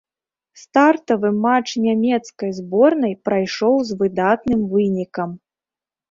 Стартавы матч нямецкай зборнай прайшоў з выдатным вынікам.